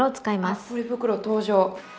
あポリ袋登場。